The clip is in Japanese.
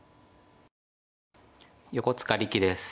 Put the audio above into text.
横塚力です。